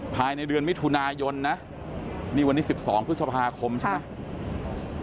ภายในเดือนมิถุนายนนะนี่วันนี้๑๒พฤษภาคมใช่ไหม